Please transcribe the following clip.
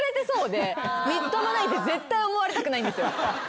みっともないって絶対思われたくないんですよ。